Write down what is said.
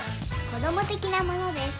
子ども的なものです。